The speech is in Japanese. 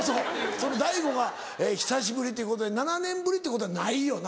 そのＤＡＩＧＯが久しぶりということで７年ぶりってことはないよな？